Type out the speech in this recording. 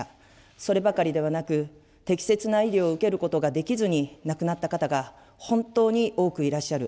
そればかりではなく、適切な医療を受けることができずに、亡くなった方が本当に多くいらっしゃる。